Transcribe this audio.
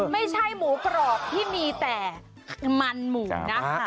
ไม่ใช่หมูกรอบที่มีแต่มันหมูนะคะ